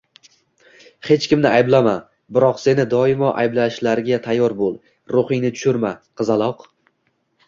Hech kimni ayblama, biroq seni doimo ayblashlariga tayyor bo‘l. Ruhingni tushirma, qizaloq.